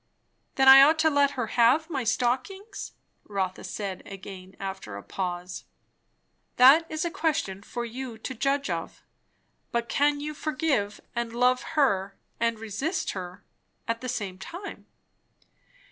"Then I ought to let her have my stockings?" Rotha said again after a pause. "That is a question for you to judge of. But can you forgive and love her, and resist her at the same time?